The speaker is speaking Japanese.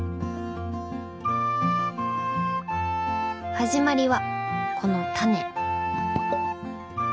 始まりはこのタネ。